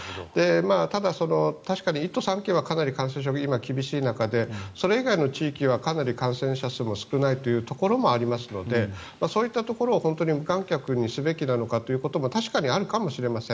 ただ、確かに１都３県はかなり感染状況が今、厳しい中でそれ以外の地域はかなり感染者数の少ないところもありますのでそういったところを本当に無観客にすべきなのかというところも確かにあるかもしれません。